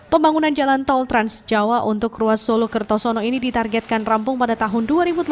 pembangunan jalan tol transjawa untuk ruas solo kertosono ini ditargetkan rampung pada tahun dua ribu delapan belas